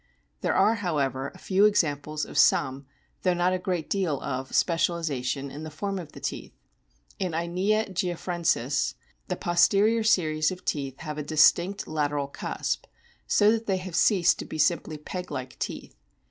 There are, however, a few examples of some, though not a great deal of, specialisation in the form of the teeth. In Inia Geoffrcnsis the posterior series of teeth have a distinct lateral cusp, so that they have ceased to be simply peg like teeth.